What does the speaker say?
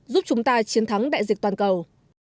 giúp chúng ta chiến thắng đại dịch toàn cầu